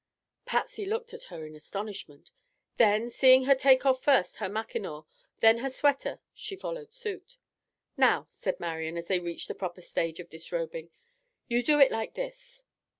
Patsy looked at her in astonishment. Then, seeing her take off first her mackinaw, then her sweater, she followed suit. "Now," said Marian as they reached the proper stage of disrobing, "you do it like this."